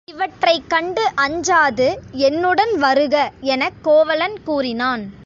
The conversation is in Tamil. இவற்றைக் கண்டு அஞ்சாது என்னுடன் வருக எனக் கோவலன் கூறினான்.